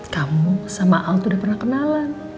kamu sama al tuh udah pernah kenalan